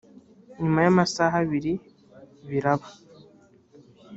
nyuma y’amasaha abiri biraba